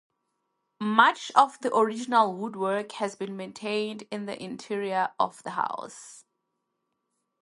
Much of the original woodwork has been maintained in the interior of the house.